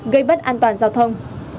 gây bất an toàn giao thông